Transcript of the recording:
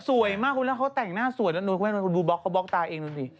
สวยมากแล้วเขาแต่งหน้าสวยแล้วดูบล็อกเขาบล็อกตายเองดูสิ